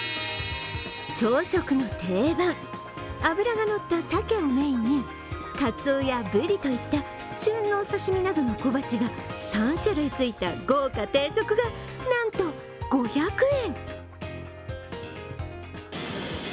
朝食の定番、脂が乗った鮭をメインにカツオやブリといった旬のお刺身などの小鉢が３種類ついた豪華定食がなんと５００円。